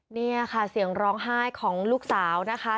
นี่ค่ะเสียงร้องไห้ของลูกสาวนะคะ